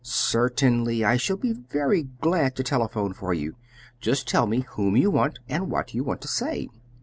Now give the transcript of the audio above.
"Certainly; I shall be very glad to telephone for you. Just tell me whom you want, and what you want to say."